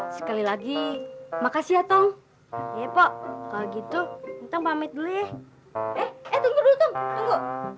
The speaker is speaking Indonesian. sekali lagi makasih ya tong ya pak kalau gitu kita pamit dulu ya eh tunggu tunggu